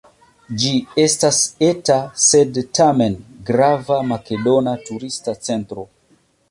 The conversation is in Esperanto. Ĝi estas eta sed tamen grava makedona turista centro.